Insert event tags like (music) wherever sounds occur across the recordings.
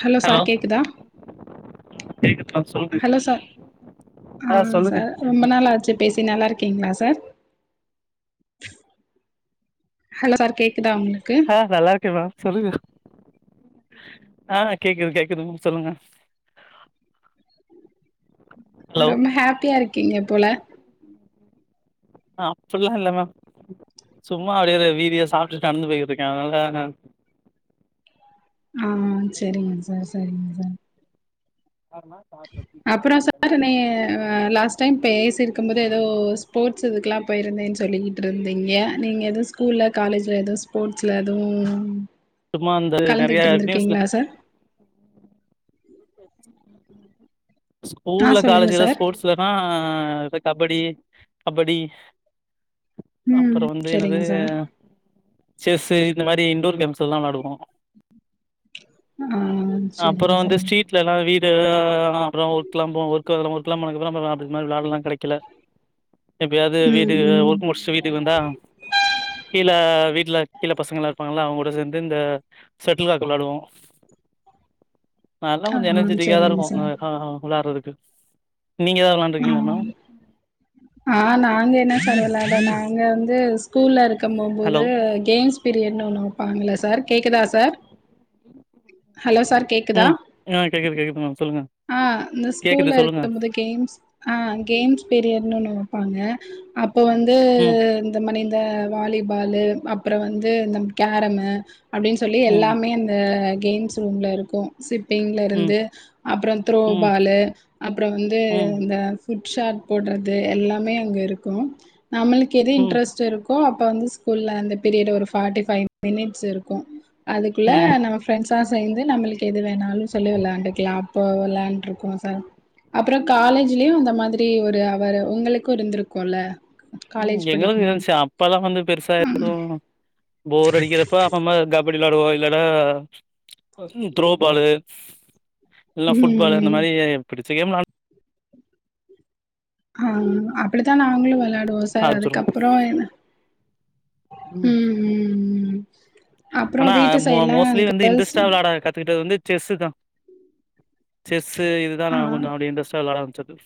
Hello sir கேக்குதா கேக்குத் ma'am சொல்ங்கே ஹலோ சார் ஆ சொல்லுங்க ரொம்ப நாள் ஆச்சி பேசி நல்லார்க்கீங்ளா சார் ஹலோ சார் கேக்குதா உங்ளுக்கு ஆ நல்லார்க்கே மேம் சொல்லுகு ஆ நா கேக்குது கேக்குது மும் சொல்லுங்க ஹலோ ரொம்ப ஹாப்பியா இருக்கீங்க போல அப்பல்லா இல்ல மேம் சும்மா அடியேதா வீதியே சாப்ட்டு நடந்து போய்க்கிட்ருக்கே அனால நன் ஆ சேரிங்க சார் சரிங்க சார் ஆமா அப்ற சார் னையே வே லாஸ் டைம் பேசிருக்கும் போது ஏதோ ஸ்போட்ஸ் இதுக்லா போயிருந்தேன் சொல்லீட்ருந்தீங்க நீங் ஏதுஸ் கூல்ல காலேஜ்ல எது ஸ்போட்ஸ்ல எதூ வும் சும்மா அந்த நெறைய கலந்திட் நியூஸ்ல இருந்த்ருக்கிங்ளா சா ஆ ஸ்கூல்ல சொல்லுங்க காலேஜ் எதா சார் ஸ்போட்ஸ் இல்லனா த கபடி அபடி ம் அப்றோ வந்து சரிங்க என்னதே சார் ஆ செஸ்ஸு இந்த மாரி இன்டூர் கேம்ஸ் எல்லா வாடுவோ ஆ அப்பறோ சரிங்க வந்து சார் ஸ்ட்ரீட்லல்லா வீடு ஆ அப்றோ ஒர்க்லா போ ஒர் க்குறல வர்க்குல்லாம் போனதுக்கப்றம் (unintelligible) கெடைக்கல எப்பயாவ்து ம் வீடு அ ம் வர்க் முர்ச்சு வீட்டுக்கு வந்தா ஹம் கீழ வீட்ல கீழ பசங்கலா இருப்பாங்கள அவங்கூட சேந்து இந்த செட்டுல் காக் வெளாடுவு ல்லா ஆ கொஞ்சு எனர்ஜிட்டிக்காதா சரிங்க இருக்கு சார் ஏ ஹா ஹா வுளாட்றதுக்கு நீங் ஏதாவ் வெளாண்ட்ருக்கீளாமா ஆ ஆ நாங் என்ன சொன்னல அத நாங்க வந்து ஸ்கூல்ல இருக்க ஹலோ போம்போது கேம்ஸ் பிரியட் ஒண்ணு வப்பாங்கள சார் கேக்குதா சார் ஹலோ சார் கேக் குதா ம் ஆ கேக்குது கேக்குது மேம் சொல்லுங்க ஆ இந்த ஸ்கூல்ல கேக்குது இருக்க சொல்லுங்க (inaudible) கேம்ஸ் ஆ கேம்ஸ் பீரியட்ன்னு ஒன்னு வப்பாங்க அப்ப வந்து ம் இந்த மானி இந்த வாலிபாலு அப்ற வந்து இந்த கேரமு அப்டின் சொல்லி ம் எல்லாமே அந்த கேம்ஸ் ரூம்ல இருக்கு சிப்பிங்ல ம் இருந்து அப்றோ ம் த்ரோபாலு அப்பறோ வந்து ம் ந்த ஃபுட் ஷாட் போட்றது எல்லாமே அங்க இருக்கு நம்ளுக்கு எது ம் இன்ட்ரெஸ்ட் இருக் கு அப்ப வந்து ஸ்கூல்ல அந்த பீரியடு ஒரு ஃபார்டிைஃபைவ் மினிட்ஸ் இருக்கு அதுக்குள்ள ம் நம்ம ப்ரெண்ட்ஸா சேந்து நம்ளுக்கு எது வேணாலு சொல்லி வெளாண்டுக்கலா அப்போ வெளாண்ருக்கோ சார் அப்பறோ காலேஜ்லயு அந்த மாதிரி ஒரு அவர் உங்களுக்கு இருந்திருக்குல ம் எங்களுக்கு இருந்துச்சு அப்பல்லா வந்து பெருசா எது ம் போர் அடிக்கிறப்ப அப்ப (unintelligible) படி வெளாடுவோ இல்லனா த்ரோபாலு இல்னா ஃபட்பால் அந்த ம் மாரி புடிச்ச கேம் வெளா ஆ அப்டித்தான் நாங்களு வெளாடுவோ சார் ஆரம்பிச்சிருவோ அதுக்கப்றோ என்ன ம் ம் ம் அப்றோ ஆனா வீட்டு மோ சைட்லா மோஸ்ட்லி வந்து கேர்ள்ஸ் இன்டரெஸ்ட்டா வெளாட கத்துக்கிட்டது வந்து செஸ்ஸு தா செஸ்சு இதுதா ஆ நா கொஞ்சோ அப்டி இன்ட்ரஸ்ட விளாட ஆரம்பச்சது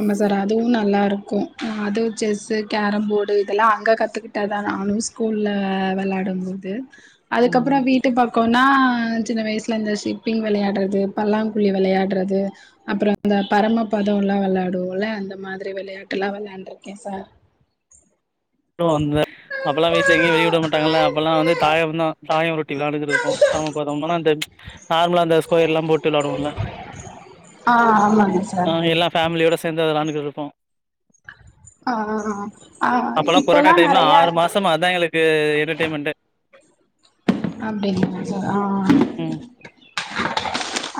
ஆமா சார் அதுவு நல்லா இருக்கு அதுசெஸ்ஸு கேரம் போடு இதெல்லா அங்கே கத்துக்கிட் ட தா நானு ஸ்கூல்ல வெளாடும் போது ம் அதுக்கப்றோ வீட் டு பக்கோனா சின்ன வயசுல இந்த ஷிப்பிங் விளையாட்றது பல்லாங்குழி விளையாட்றது அப்றோ இந்த பரம பதோலா வெளாடுவோல அந்த மாதிரி விளையாட்டு எல்லா வெளையாண்ட்ருக்கே சார் அப்றோ அந்த அப்பல்லா வீட்ல எங்கயு வெளிய விடமாட்டாங்கல்ல அப்பெல்லா வந்து தாயம் தா தாய உருட்டி விளாண்டுட்டு இருப்போ பரம பதம்னா அந்த நார்மலா அந்த ஸ்கொயர்லா போட்டு விளாடுவோல ஆ ஆமாங்க ஆ சார் எல்லா ஃபேமிலியோட சேந்து அது விளாண்டுட்டு இருப்போ ஆ ஆ ஆ அப்பல்லா கொரோனா இப்போலா டைம்ல நெறையா ஆறு மாசம்மா அதா எங்ளுக்கு என்டர்டைன்மெண்ட்டே அப்டிங்ளா சார் ஆ ம்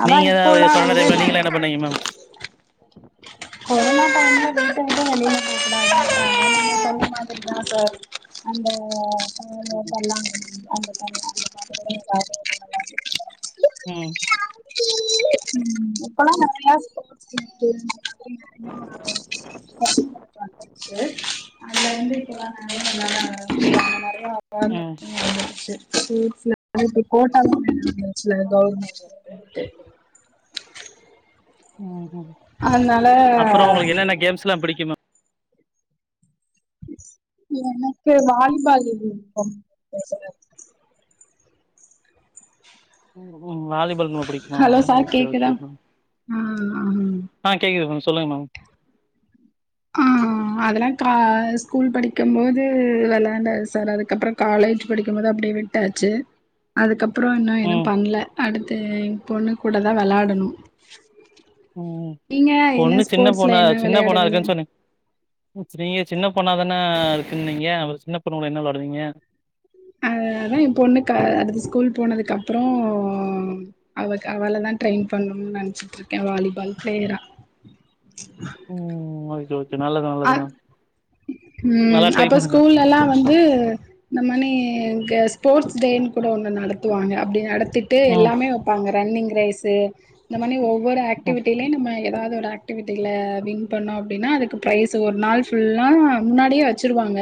அதா இப்போல்லா வந்து பண்னேங்க மேம் கொரோனா டைம் ல வீட்ட விட்டு வெளில போ கூடாதுன்ட்டாங்க நீங்க சொன்ன மாதிரி தா சார் அந்த (inaudible) ம் ம் இப்பலா நெறையா (inaudible) (inaudible) அதுல வந்து (inaudible) ம் நெறையா (inaudible) அது இப்டி போட்டதான (inaudible) அப்றோ அதனால உங்ளுக்கு என்னென்ன கேம்ஸ்லா பிடிக்கு மே எனக்கு வாலிபால் விருப்பம் ம் ம் வாலிபால் ரொம்ப புடிக்குமா ஹலோ சார் ஓக்கே கேக்குதா ஓக்கே மேம் ஆ ஆ கேக்குது மேம் சொல்லுங்க மேம் ஆ ஆ அதெல்லா க ஸ்கூல் படிக்கும் போது வெளாண்டாது சார் அதுக்கப்றோ காலேஜ் படிக்கும்போது அப்டியே விட் ட்டாச்சு அதுகப்றோ இன்னு எதும் ம், பண்ல அடுத்து எ பொண்ணு கூட தா வெளாடணு ம் நீங்க பொண்ணு என்ன சின்ன ஸ்போர்ட்ஸ்ல பொண்ணா என்ன சின்ன பொண்ணா வெளையாடுவீங்க இருக்குன்னு சொனிங் நீங்க சின்னபெண்ணா தான இருக்குனீங்க அப்ப சின்னபெண்ணுக்கூட என்ன விளாடுவீங்க அ அதா எ பொண்ணு க அடுத்து ஸ்கூல் போனதுக்கு அப்றோ அவ அவளதா ட்ரெயின் பண்ணுன்னு நெனச்சிட்டு இருக்கே வாலிபால் பிளேயரா ம் ஓகே ஓகே நல்லது அ நல்லதுங்க ம் அப்ப ஸ்கூலல்லா வந்து இந்த மானி இங்க ஸ்போர்ட்ஸ் டேன்னு கூட ஒன்னு நடத்துவாங்க அப்டி நடத்திட்டு ம், எல்லாமே வப்பாங்க ரன்னிங் ரேஸு இந்த மானி ஒவ்வொரு ம், ஆக்டிவிட்டிலேயு நம்ம ஏதாவது ஒரு ஆக் ஆக்டிவிட்டில வின் பண்ணோ அப்டின்னா அதுக்கு ப்ரைஸ் ஒரு நாள் ஃபுல்லா முன்னாடியே வச்சிருவாங்க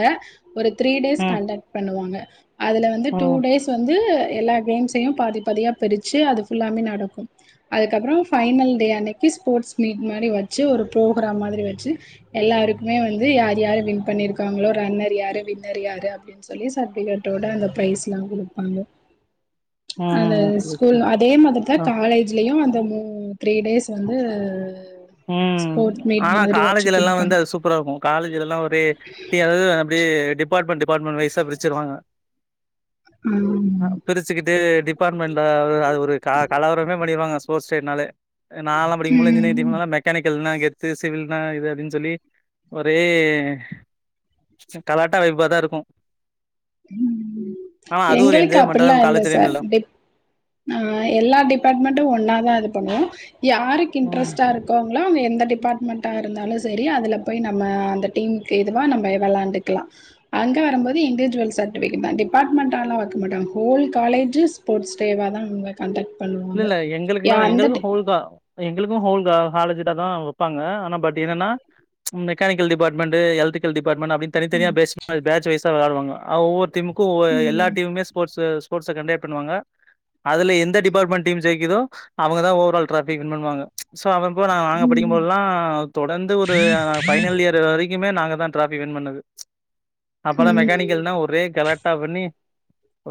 ஒரு த்ரீ டேஸ் ம், கண்டக்ட் பண்ணுவாங்க அதுல வந்து டூ ம், டேஸ் வந்து எல்லா கேம்ஸையு பாதி பாதியா பிரிச்சு அது ஃபுல்லாமே நடக்கு அதுகப்றோ ஃபைனல் டே அன்னைக்கு ஸ்போர்ட்ஸ் மீட் மாரி வச்சி ஒரு ப்ரோக்ராம் மாரி வச்சி எல்லாருக்குமே வந்து யார் யாரு வின் பண்ணிருக்காங்களோ ரன்னர் யாரு வின்னர் யாரு அப்டின் சொல்லி சட்விகேட்டோட அந்த ப்ரைஸ் லா குடுப்பாங்க அந்த ம். Okay, school okay. அ தே மாதிரி தா ஆ, காலேஜ்லயு அந்த மூ த்ரீ டேஸ் வந்து ம் ஸ்போர்ட்ஸ் மீட் ஆனா மாதிரி வச்சு காலேஜ்லலா கொடுப்பாங்க வந்து அது சூப் பரா இருக்கு காலேஜ் லா ஒரே டி எல் அப்டே டிபார்ட்மெண்ட் டிபார்ட்மெணட் வய்சா பிரிச்சிருவாங்க ஆம் அ பிரிச்சுக்கிட்டு டிபார்ட்மெண்ட்ட அது ஒரு க கலவரமே பண்ணிடுவாங்க ஸ்போட்ஸ் டேனாலே நாலா படிக்கும்போலா இன்ஜினேங் ம். இவுனுங்களா மெக்கானிக்கல்னா கெத்து சிவில்னா இது அப்டின்னு சொல்லி ஒரே கலாட்டா வைபா தா இருக்கு ம் ம் ஆனா அது ஒரு எங்களுக்கு என்ஜாய்மெண்டா தா அப்டிலா இல்ல காலேஜ் சார் டைம்ல டிப் ஆ எல்லா டிபார்ட்மெண்ட்டு ஒன்னா தா இது பண்ணுவோ யாருக்கு ம் இன்ட்ரெஸ்ட்டா இருக் கோங்களா எந்த டிபார்ட்மெண்ட்டா இருந்தாலு சரி அதுல போய் நம்ம அந்த டீமுக்கு இதுவாக நம்ப விளையாண்டுக்கலா அங்க வரும்போது இண்டிஜுவல்ஸ் (unintelligible) தா டிபார்ட்மெண்ட்டாலா வைக்க மாட்டாக ஹோல் காலேஜ்ஜு ஸ்போட்ஷ் டேவ தா வப் கண்டெக்ட் பண்ணுவ் இல்ல இல்ல எங்களுக்குலா எங்களுக்கு ஹோல்தா எங்களுக்கு ஹோல் தா ஹாலேஜ்டு தா வப்பாங்க ஆனா பட் என்னன்னா மெக்கானிக்கல் டிபார்ட்மெண்டு எலக்ரிக்கல் டிபார்ட்மெண்டு அப்டி தனி தனியா பேஸ் பேட்ச் வைசா விளயாடுவாங்க அவ் ஒ திமுக்கு எல்லா ம் டீமுமே ஸ்போட்ஸ்ஸு ஸ்போட்ஸ்ஸ கண்டெக்ட் பண்ணுவங்க அதுல எந்த டிபார்ட்மெண்ட் ஜெய்க்குதோ அவுங்க தா ஓவரால் ட்ராஃபி வின் பண்ணுவாங்க சோ அவப்போ நா நாங்க ம் படிக்கும்போதுல்லா தொடர்ந்து ஒரு ஃபைனல் இயர் வரை க்குமே நாங்க தா ட்ராஃபி வின் பண்ணது அப்பல்லா ம் மெக்கானிக்கல்னா ஒரே கலாட்டா பண்ணி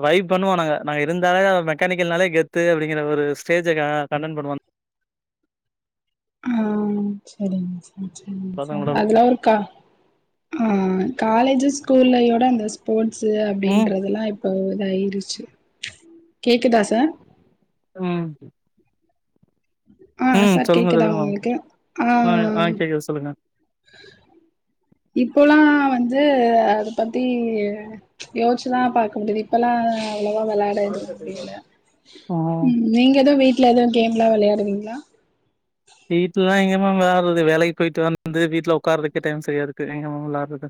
வைப் பண்ணுவோ நாங்க நாங்க இருந்தாலே மெக்கானிக்கல்னாலே கெத்து அப்டி டிங்ற ஒரு ஸ்டேஜ க கண்டன் பண்ணுவ ஆ சேரிங்க சார் சேரிங்க சார் பசங்களோட அதெல்லா ஒரு கா ஆ காலேஜ்ஜு ஸ்கூல்லயோட அந்த ஸ்போர்ட்ஸ் ம் அப்டின்றது லா இப் போ இதாயிருச்சு கேக்குதா சார் ம் ஆ ம் சார் சொல்லுங்க கேக்குதா சொல்லுங்க உங்களுக்கு? ஆ ஆ கேட்குது சொல்லுங்க இப்போல்லா வந்து அத பத்தி யோச்சுதா பாக்க முடிது இப்போலா அவ்ளோவா வெளாயட எதுவு முடியல ம் நீங்க எதும் வீட்ல எதும் கேம்ல்லா விளையாடுவீங்களா வீட்ல ல்லா எங்க மேம் விளாட்றது வேலைக்கு போயிட்டு வந்து வீட்ல உட்காறதுக்கே டைம் சரியா இருக்கு எங்க மேம் விளாட்றது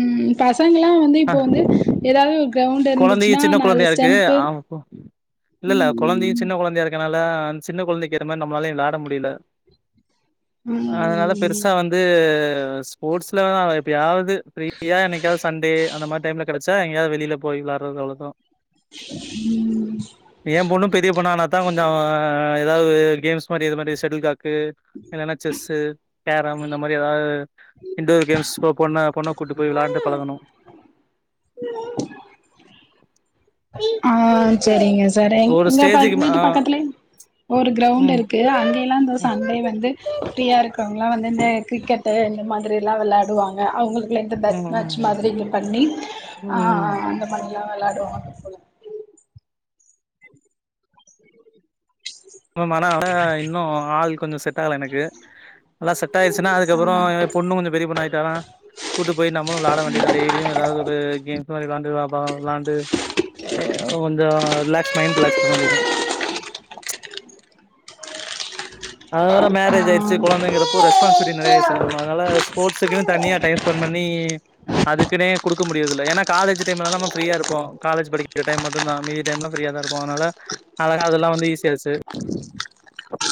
ம் பசங்க எல்லாம் வந்து இப்போ வந்து ஏதாவது ஒரு க்ரௌண்டு் இருந்துச்சுனா நாலு ஸ்டெம்பு ஓ இல்ல இல்ல கொழந்தையு சின்ன கொழந்தையா இருக்கனால சின்ன கொழந்தைக்களுக்கு ஏத்த மாறி நம்மளாலலேயு விளயாட முடில பில்தான் ம் அதனால ம் பெருசா வந் தூ ஸ்போர்ட்ஸ்லது ஸ்போர்ட்ஸ்லதா அவா எப்படியாவது பிரீப்பியா என்னைக்காவது சண்டே அந்த மாதிரி டைம்ல கடச்சா எங்கயாவ வெளிய போயி விள எட்றது அளோதான் ம் ஏ பொணணு பொரியதான் கொஞ்சம் ஏதாவது கேம்ஸ் மாறி இது மாரி செஷடல் காக்கு ன்ல்ல செஸ்ஸு கேரம் இந்த மாறி எதாவது இன்டோர் கேம்ஸ் போ போன்னா பொண்ண பொண்ணா கூட்டு போய் விளான்டு பழகணும் (unintelligible) ஆ சரிங்க சார் எங் ஒரு இங்க பட் ஸ்டேஜுக்கு மே வீட்டு ஆ பக்கத்துலயே க கலே ஒரு கிரவுண்ட் ம் ருக்கு அங்கேயல்லாம் சோ ம் சண்டுஇந்த சண்டே வந்து ஃப்ரீயா இருக்கிறவங்கலா வந்து இந்த கிரிக்கெட்டு இந்த மாதிரிலா விளாடுவாங்க அவங்களுக் ரெண்டு பெட் ம் மேட்ச் ம் மாதிரி பண்ணி ம் அ ம். அந்த மாறில்லா விளாடுவாங்க (unintelligible) இன்னும் ஆள் கொஞ்சோ செட் ஆகல எனக்கு நல்லா செட் ஆயிடுச்சுனா அதுக்கப்புறோ பொண்ணு கொஞ்சோ பெரிய பொண்ணு ஆயிட்டான்னா கூட்டு போயி நம்மளும் விளாட வேண்டியதா டெய்லியு ஏதாவது ஒரு கேம்ஸ் மாறி விளாண்டுப்பா பாவம் விளாண்டு பைய கொஞ்சோ ரிலாக்ஸ் மைண்ட் ரிலாக்ஸ் பண்ண வேண்டியதா அது வேற மேரேஜ் ஆயிடுச்சு ஆ குழந்தைங்கறப்போ ரெஸ்பான்சிபிலிட்டி நெறய ஆயிச்சு சரி மேம் அதனால ஸ்போர்ட்ஸ்க்குன்னு தனியா டைம் ஸ்பெண்ட் பண்ணி அதுக்குன்னே குடுக்க முடியறதுல்ல ஏன்னா காலேஜ் டைம்ல நம்ம ஃப்ரீயா இருப்போ காலேஜ் படிக்கிறடைம் மட்டும்தா மீதி டைம்ல ஃப்ரீயா தா இரு ப்போ அதனால அழகா அதெல்லா வந்து ஈஸி ஆச்சு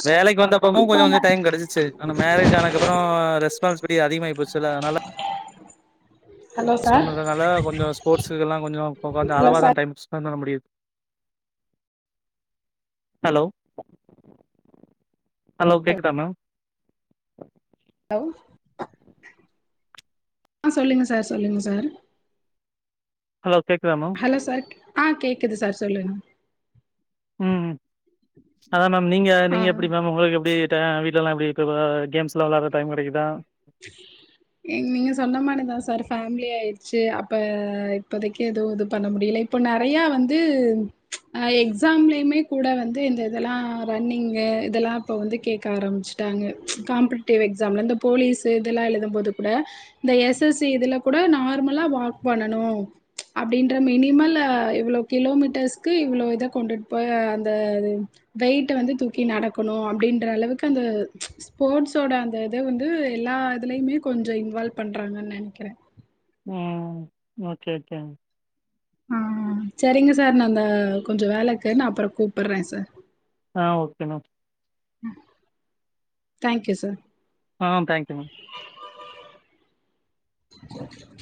வேலைக்கு வந்தப்பமு இப்போ கொஞ்சோ என்ன கொஞ்சோ டைம் கிடைச்சிச்சு ஆனா மேரேஜ் ஆனது கப்பறோ ரெஸ்பான்ஸ்பிலிட்டி அதிகமாயி போச்சுல்ல அதனால ஹலோ சார் சொன்னதுனால கொஞ்சோ ஸ்போர்ட்ஸ்கெல்லா கொஞ்சோ இப்ப வந்து ஹலோ அளவாதா சார் டைம் ஸ்பெண்ட் பண்ண முடியது ஹலோ ஹலோ கேக்குதா மேம் ஹலோ ஆ சொல்லுங்க சார் சொல்லுங்க சார் ஹலோ கேக்குதா மேம் இல்ல சார் ஆ கேக்குது சார் சொல்லுங்க ம் அத்தா மேம் நீங்க நீங்க ஆ எப்படி மேம் உங்களுக்கு எப்டி அ வீட்ல எல்லா எப்டி இப்ப கேம்ஸ்லா விளாட டைம் கிடைக்குதா (unintelligible) நீங்க சொன்ன மாறிதா சார் ஃபேமிலி ஆயிறிச்சு அப்ப இப்போதைக்கு எதுவும் இது பண்ண முடியல இப்ப நெறயா வந்து அ எக்ஸாம்லயுமே கூட வந்து இந்த இதெல்லா ரன்னிங்கு இதெல்லா இப்ப வந்து கேக்க ஆரம்பிச்சு ட்டாங்க காம்படிட்டிவ் எக்ஸாம்ல இந்த போலீஸ் இதெல்லா எழுதும் போது கூட இந்த எஸ் எஸ் சி இதுல கூட நார்மலா வாக் பண்ணனும் அப்படின்ற மினிமல்ல இவ்ளோ கிலோமீட்டர்ஸ்க்கு இவ்ளோ இத கொண்டுட்டு போயி அந்த இது வெயிட்ட வந்து தூக்கி நடக்கணும் அப்படின்ற அளவுக்கு அந்த ஸ்போர்ட்ஸ் ஓட அந்த இத வந்து எல்லா இதுலயுமே கொஞ்சோ இன்வால்வ் பண்றாங்கன்னு நெனைக்கிறே ம் ஓகே ஓகே ஆ சேரிங்க சார் நா அந்த கொஞ்சோ வேலை இக்கு நா அப்புறோ கூப்பிட்ற சார் ஆ ஓகே மேம் தேங்க்யூ சார் ஆ தங்க்யூ மேம் (unintelligible)